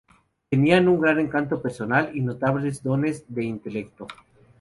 Tenía un gran encanto personal y notables dones de intelecto.